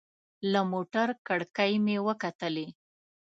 له موټر کړکۍ مې وکتلې.